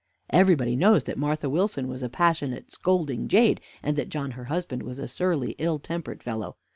Everybody knows that Martha Wilson was a passionate, scolding jade, and that John her husband was a surly, ill tempered fellow.